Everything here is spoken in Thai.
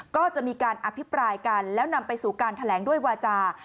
ก็จะมีการอภิปรายกันแล้วนำไปสู่การแถลงด้วยวาจา